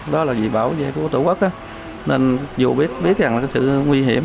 đó là dị bảo về của tổ quốc nên dù biết rằng là sự nguy hiểm